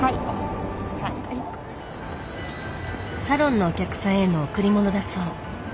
サロンのお客さんへの贈り物だそう。